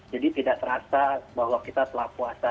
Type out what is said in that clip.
jadi tidak terasa bahwa kita telah puasa